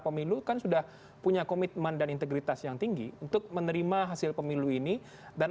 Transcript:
pemilu kan sudah punya komitmen dan integritas yang tinggi untuk menerima hasil pemilu ini dan